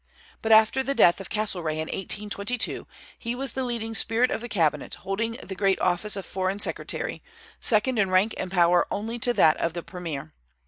But after the death of Castlereagh in 1822, he was the leading spirit of the cabinet, holding the great office of foreign secretary, second in rank and power only to that of the premier.